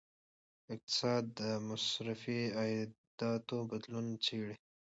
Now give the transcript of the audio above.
اقتصاد د مصرفي عادتونو بدلون څیړي.